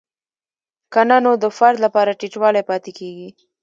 که نه نو د فرد لپاره ټیټوالی پاتې کیږي.